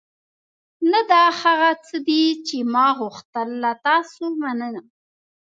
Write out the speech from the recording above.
نه، دا هغه څه دي چې ما غوښتل. له تاسو مننه.